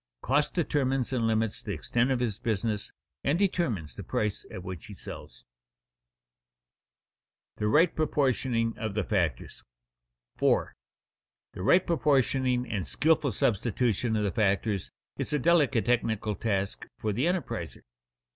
Cost determines and limits the extent of his business and determines the price at which he sells. [Sidenote: The right proportioning of the factors] 4. _The right proportioning and skilful substitution of the factors is a delicate technical task for the enterpriser.